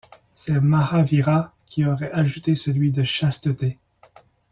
C'est Mahavira qui aurait ajouté celui de chasteté.